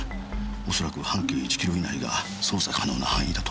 恐らく半径１キロ以内が操作可能な範囲だと。